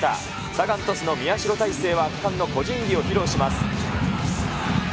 サガン鳥栖の宮代大聖は圧巻の個人技を披露します。